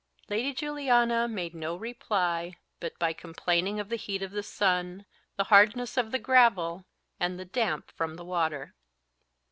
Lady Juliana made no reply but by complaining of the heat of the sun, the hardness of the gravel, and the damp from the water.